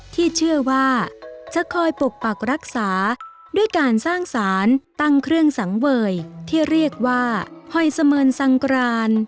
ที่เชื่อว่าจะคอยปกปักรักษาด้วยการสร้างสารตั้งเครื่องสังเวยที่เรียกว่าหอยเสมือนสังกราน